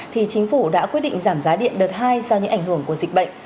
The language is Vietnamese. thì chính phủ đã quyết định giảm giá điện đợt hai do những ảnh hưởng của dịch bệnh